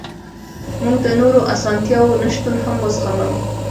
موږ د نورو اسانتیاوو نشتون هم وزغملو